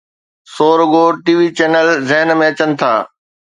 سو رڳو T V channel ذهن ۾ اچن ٿا.